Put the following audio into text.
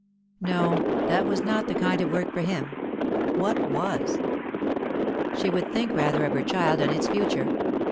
No, that was not the kind of work for him. What was? She would think rather of her child and its future.